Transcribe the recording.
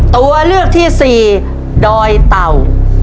ตัวเลือกที่สี่ดอยเต่า